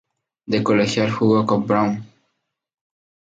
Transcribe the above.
De colegial jugo con Brown.